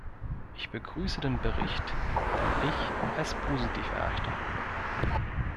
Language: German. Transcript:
Ich begrüße den Bericht, den ich als positiv erachte.